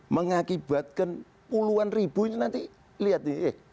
mengakibatkan puluhan ribu ini nanti lihat nih